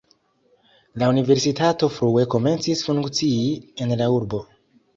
La universitato frue komencis funkcii en la urbo.